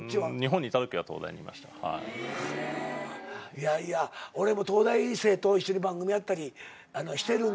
いやいや俺も東大生と一緒に番組やったりしてるんですよ。